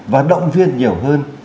và động viên nhiều hơn